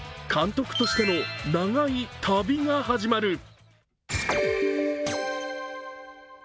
監督としての長い旅が始まる。